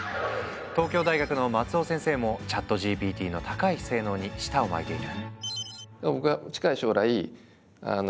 東京大学の松尾先生もＣｈａｔＧＰＴの高い性能に舌を巻いている。